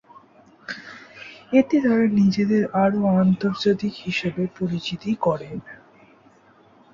এতে তারা নিজেদেরকে আরো আন্তর্জাতিক হিসেবে পরিচিত করেন।